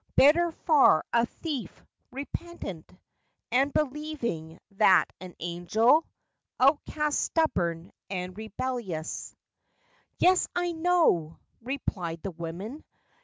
Better far a thief—repentant And believing, than an angel— Outcast, stubborn, and rebellious "Yes, I know;" replied the woman.